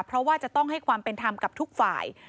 เพราะว่าจะต้องให้ความเป็นธรรมกับทุกฝ่าย